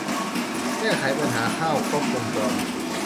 แก้ไขปัญหาข้าวครบวงจร